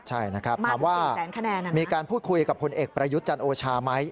ใช่นะครับถามว่ามีการพูดคุยกับพลเอกประยุทธ์จันโอชาไหม